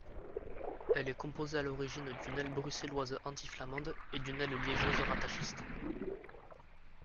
Elle est composée à l'origine d'une aile bruxelloise anti-flamande et d'une aile liégeoise rattachiste.